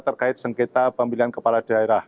terkait sengketa pemilihan kepala daerah